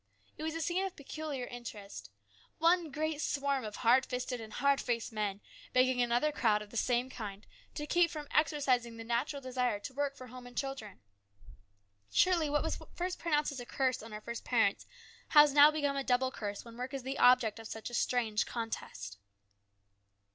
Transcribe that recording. It was a scene of peculiar interest. One great swarm of hard fisted and hard faced men begging another crowd of the same kind to keep from exercising the natural desire to work for home and children. Surely what was first pronounced as a curse on our first parents has now become a double curse when work is the object of such a strange contest.